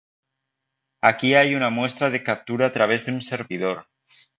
aquí hay una muestra de captura a través de un servidor